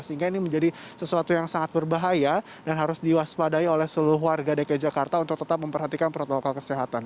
sehingga ini menjadi sesuatu yang sangat berbahaya dan harus diwaspadai oleh seluruh warga dki jakarta untuk tetap memperhatikan protokol kesehatan